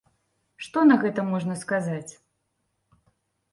Што на гэта можна сказаць?